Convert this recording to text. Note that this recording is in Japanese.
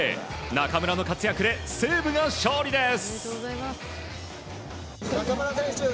中村の活躍で西武が勝利です。